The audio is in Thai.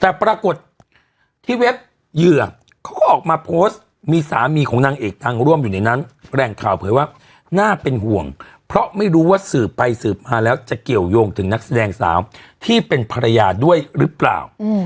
แต่ปรากฏที่เว็บเหยื่อเขาก็ออกมาโพสต์มีสามีของนางเอกทางร่วมอยู่ในนั้นแรงข่าวเผยว่าน่าเป็นห่วงเพราะไม่รู้ว่าสืบไปสืบมาแล้วจะเกี่ยวยงถึงนักแสดงสาวที่เป็นภรรยาด้วยหรือเปล่า